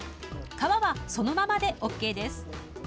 皮はそのままでＯＫです。